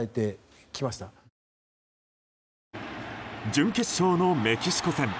準決勝のメキシコ戦。